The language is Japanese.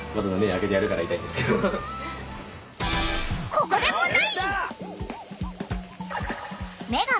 ここで問題！